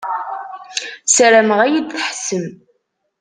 Sarameɣ ad yi-d-tḥessem.